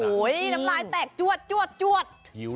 โหยน้ำลายแตกจวดจวดจวด